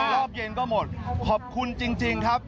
รอบเย็นก็หมดขอบคุณจริงครับ